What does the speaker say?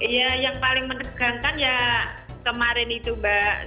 ya yang paling menegangkan ya kemarin itu mbak